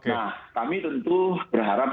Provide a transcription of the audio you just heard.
nah kami tentu berharap